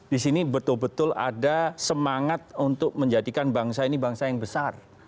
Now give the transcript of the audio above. di sini betul betul ada semangat untuk menjadikan bangsa ini bangsa yang besar